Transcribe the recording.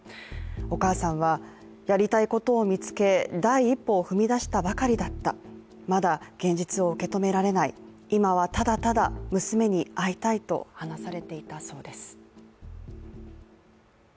お母さんは、やりたいことを見つけ第一歩を踏み出したばかりだった、まだ現実を受け止められない、今はただただ娘に会いたいと話されていたそうです。